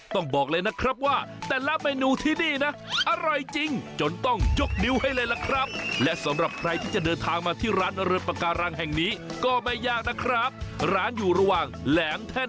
ต้องบอกเลยนะครับว่าแต่ละเมนูที่นี่น่ะ